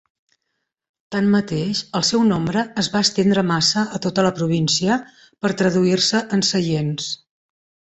Tanmateix, el seu nombre es va estendre massa a tota la província per traduir-se en seients.